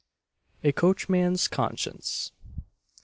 A COACHMAN'S CONSCIENCE.